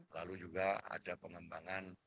lalu juga ada pengembangan